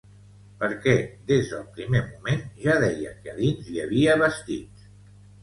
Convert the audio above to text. Perquè des del primer moment ja deia que a dins hi havia vestits